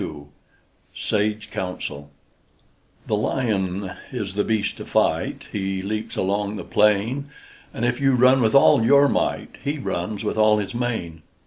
_)SAGE COUNSEL The lion is the beast to fight, He leaps along the plain, And if you run with all your might, He runs with all his mane.